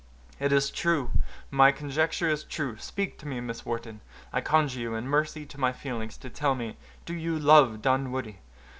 "It is true! My conjecture is true! Speak to me, Miss Wharton; I conjure you, in mercy to my feelings, to tell me—do you love Dunwoodie?"